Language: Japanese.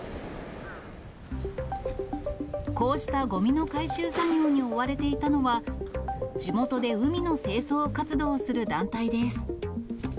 こうしたごみの回収作業に追われていたのは、地元で海の清掃活動をする団体です。